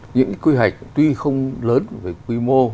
những quy hoạch tuy không lớn về quy mô